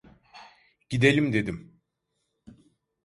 Gidelim dedim.